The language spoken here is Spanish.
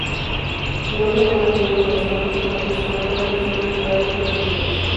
El nombre fue mantenido por los geógrafos, aunque su fronteras no estuvieron claramente definidas.